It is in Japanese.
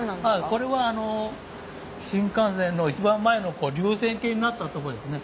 これは新幹線のいちばん前の流線形になったとこですね。